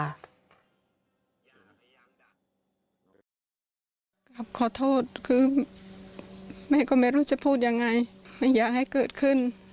แม่ก็ไม่รู้จะพูดยังไงไม่อยากให้เกิดขึ้น